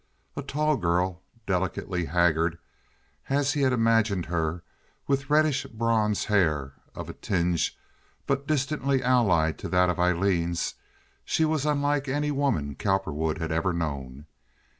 A tall girl, delicately haggard, as he had imagined her, with reddish bronze hair of a tinge but distantly allied to that of Aileen's, she was unlike any woman Cowperwood had ever known.